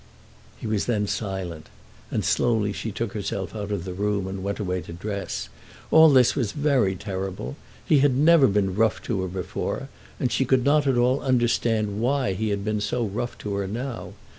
He was then silent, and slowly she took herself out of the room, and went away to dress. All this was very terrible. He had never been rough to her before, and she could not at all understand why he had been so rough to her now.